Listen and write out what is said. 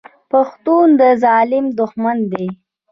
پښتون د ظالم دښمن دی.